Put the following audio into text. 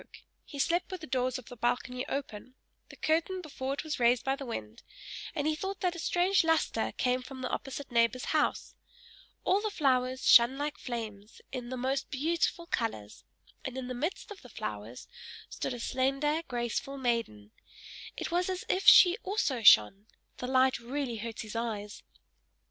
One night the stranger awoke he slept with the doors of the balcony open the curtain before it was raised by the wind, and he thought that a strange lustre came from the opposite neighbor's house; all the flowers shone like flames, in the most beautiful colors, and in the midst of the flowers stood a slender, graceful maiden it was as if she also shone; the light really hurt his eyes.